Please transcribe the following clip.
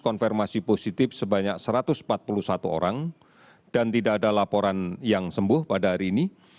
konfirmasi positif sebanyak satu ratus empat puluh satu orang dan tidak ada laporan yang sembuh pada hari ini